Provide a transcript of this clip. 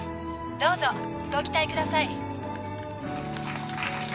どうぞご期待ください